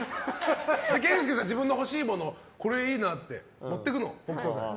健介さん、自分の欲しいものをこれいいなって持っていくの、北斗さんに。